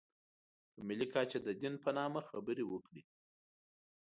په ملي کچه د دین په نامه خبرې وکړي.